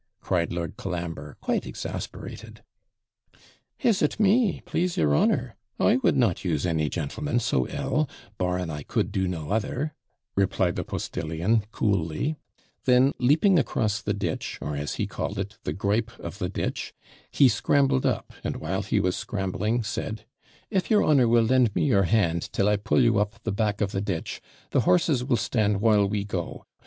cried Lord Colambre, quite exasperated. 'Is it me! please your honour? I would not use any jantleman so ill, BARRING I could do no other,' replied the postillion, coolly; then, leaping across the ditch, or, as he called it, the GRIPE of the ditch, he scrambled up, and while he was scrambling, said, 'If your honour will lend me your hand till I pull you up the back of the ditch, the horses will stand while we go.